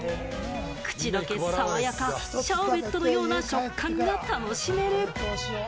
口どけ爽やか、シャーベットのような食感が楽しめる。